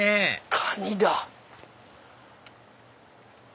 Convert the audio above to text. カニだ。